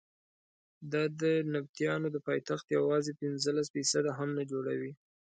دا د نبطیانو د پایتخت یوازې پنځلس فیصده هم نه جوړوي.